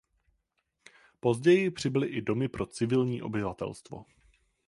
Později přibyly domy i pro civilní obyvatelstvo.